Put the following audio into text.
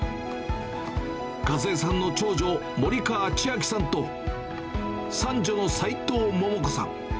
和枝さんの長女、森川千晶さんと、三女の齋藤桃子さん。